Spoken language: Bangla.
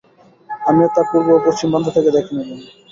আমি তার পূর্ব ও পশ্চিম প্রান্ত দেখে নিলাম।